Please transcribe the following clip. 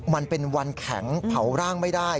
มันเป็นวันแข็งเผาร่างไม่ได้